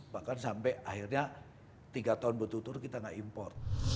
bahkan sampai akhirnya tiga tahun bertutur tutur kita gak import